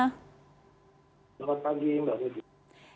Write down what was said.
selamat pagi mbak yusran